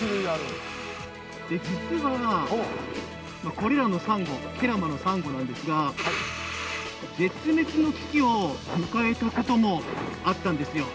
実は、これらのサンゴ慶良間のサンゴなんですが絶滅の危機を迎えたこともあったんですよ。